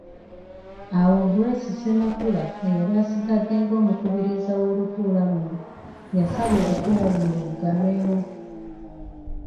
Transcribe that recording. Awo Grace Ssemakula eyali asigadde ng’omukubiriza w’olutuula luno yasaba olutuula luno luggalwewo.